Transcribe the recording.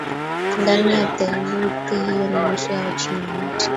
Ndani ya therluthi hiyo ni nusu ya Wachina wote